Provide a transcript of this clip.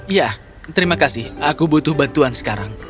ya terima kasih aku butuh bantuan sekarang